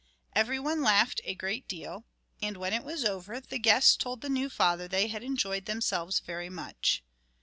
Every one laughed a great deal, and when it was over the guests told the new father they had enjoyed themselves very much.